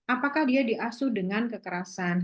apakah dia diasuh dengan kekerasan